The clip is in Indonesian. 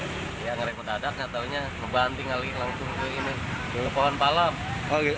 dia ngerekot adak nggak taunya ngebanting langsung ke pohon palem